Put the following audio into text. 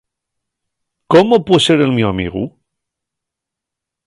¿Cómo pue ser el mio amigu?